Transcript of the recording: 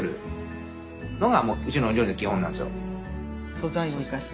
素材を生かし。